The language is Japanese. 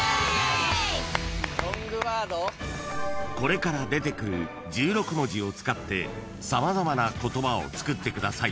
［これから出てくる１６文字を使って様々な言葉を作ってください。